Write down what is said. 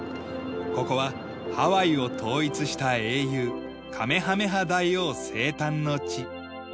ここはハワイを統一した英雄カメハメハ大王生誕の地。